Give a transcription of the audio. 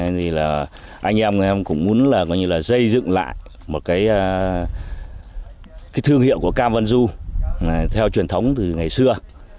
thì là anh em cũng muốn là coi như là dây dựng lại một cái thương hiệu của cam vân du theo truyền thống từ ngày xưa